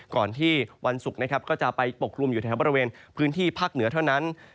ก่อนที่วันศุกร์นะครับก็จะไปปกลุ่มอยู่แถวบริเวณพื้นที่ภาคเหนือเท่านั้น